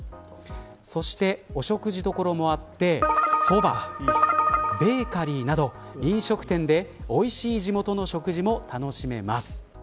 そして、お食事処もあってそばベーカリーなど飲食店でおいしい地元の食事も楽しめます。